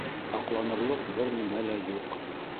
Аҡланырлыҡ бер нимә лә юҡ.